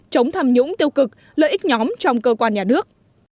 chống tham nhũng tiêu cực lợi ích nhóm trong cơ quan nhà nước